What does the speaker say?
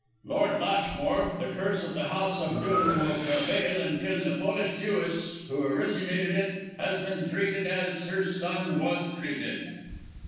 "Lord Lashmore, the curse of the house of Dhoon will prevail until the Polish Jewess who originated it has been treated as her son was treated!"